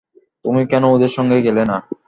তুমি কেন ওদের সঙ্গে গেলে না?